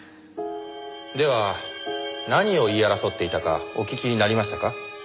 では何を言い争っていたかお聞きになりましたか？